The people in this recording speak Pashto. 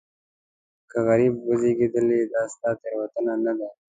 که غریب وزېږېدلې دا ستا تېروتنه نه ده.